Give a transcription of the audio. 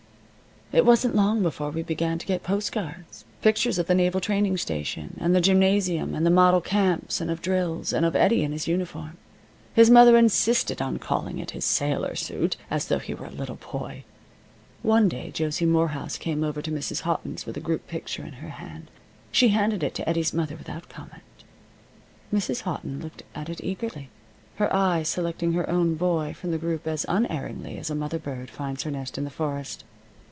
It wasn't long before we began to get postcards pictures of the naval training station, and the gymnasium, and of model camps and of drills, and of Eddie in his uniform. His mother insisted on calling it his sailor suit, as though he were a little boy. One day Josie Morehouse came over to Mrs. Houghton's with a group picture in her hand. She handed it to Eddie's mother without comment. Mrs. Houghton looked at it eagerly, her eye selecting her own boy from the group as unerringly as a mother bird finds her nest in the forest.